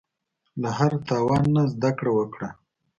له هر تاوان نه زده کړه وکړه.